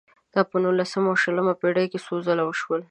دا په نولسمه او شلمه پېړۍ کې څو ځله وشول.